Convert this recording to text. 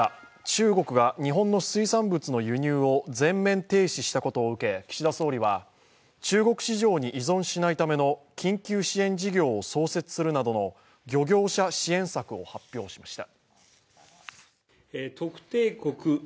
中国が日本の水産物の輸入を全面停止したことを受け岸田総理は、中国市場に依存しないための緊急支援事業を創設するなどの漁業者支援策を発表しました。